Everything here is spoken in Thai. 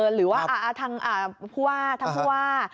หรือว่าทางผู้ว่าทางผู้ว่า